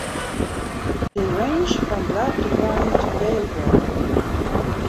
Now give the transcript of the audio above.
They range from black to brown to pale brown.